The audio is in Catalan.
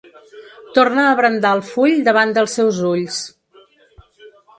Torna a brandar el full davant dels seus ulls.